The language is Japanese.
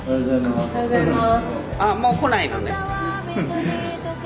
おはようございます。